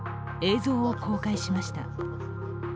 映像を公開しました。